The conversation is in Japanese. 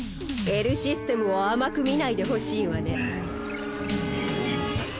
Ｌ・システムを甘く見ないでほしいわね。